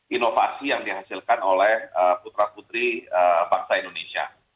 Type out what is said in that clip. inovasi yang dihasilkan oleh putra putri bangsa indonesia